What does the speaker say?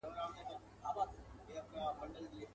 په مالت کي را معلوم دی په مین سړي پوهېږم.